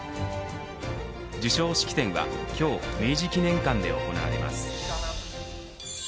授賞式典は今日明治記念館で行われます。